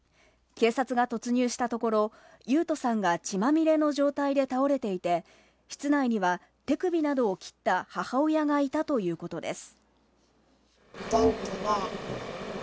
警察が突入したところ、勇人さんが血まみれの状態で倒れていて、室内には手首などを切った母親がいたということです。